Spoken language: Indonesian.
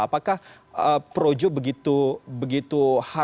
apakah projo begitu